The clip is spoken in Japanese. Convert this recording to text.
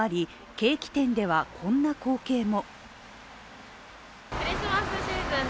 ケーキ店ではこんな光景も。